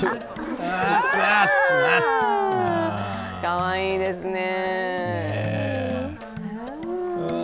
かわいいですね。